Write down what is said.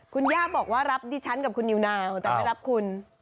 คุณย่าบอกว่ารับดิฉันกับคุณนิวนาวแต่ไม่รับคุณ